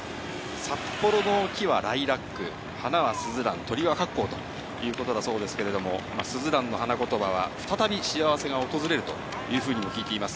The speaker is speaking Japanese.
札幌の木はライラック、花はスズラン、鳥はカッコウということだそうですけれども、スズランの花言葉は、再び幸せが訪れるというふうにも聞いています。